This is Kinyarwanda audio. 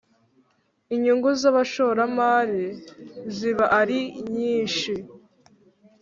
Inyungu z ‘abashoramari ziba arinyishi.